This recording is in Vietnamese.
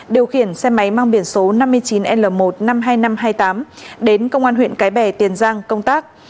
điều khiển xe máy mang biển số năm mươi chín l một trăm năm mươi hai nghìn năm trăm hai mươi tám đến công an huyện cái bè tiền giang công tác